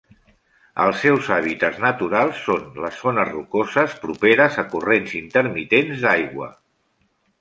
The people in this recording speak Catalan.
Els seus hàbitats naturals són les zones rocoses properes a corrents intermitents d'aigua.